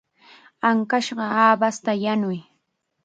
Ankashqa aawasta yanuy.